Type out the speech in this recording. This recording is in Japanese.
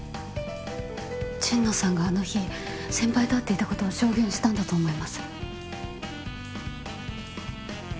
神野さんがあの日先輩と会っていたことを証言したんだと思います。